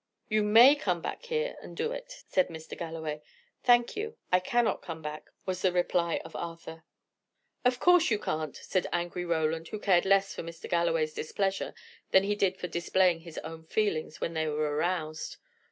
"You may come back here and do it," said Mr. Galloway. "Thank you, I cannot come back," was the reply of Arthur. "Of course you can't!" said angry Roland, who cared less for Mr. Galloway's displeasure than he did for displaying his own feelings when they were aroused.